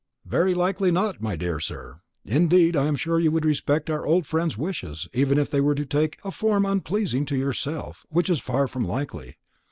"Very likely not, my dear sir. Indeed, I am sure you would respect our poor friend's wishes, even if they were to take a form unpleasing to yourself, which is far from likely.